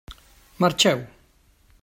Marxeu!